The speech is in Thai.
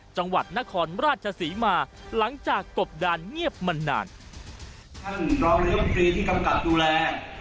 จังหวัดนครราชศรีมาหลังจากกบดานเงียบมันนาน